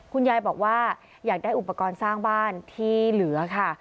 คุณยายบอกว่าอยากได้อุปกรณ์สร้างบ้านที่เหลือค่ะ